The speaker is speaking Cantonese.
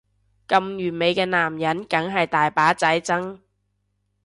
咁完美嘅男人梗係大把仔爭